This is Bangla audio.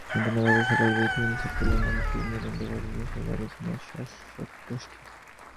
ইন্টারনেট ব্যবহারের সকল বিধিনিষেধ তুলে নিয়ে মুক্ত ইন্টারনেট ব্যবস্থার দিকেই যাবে চীনের শাসকগোষ্ঠী।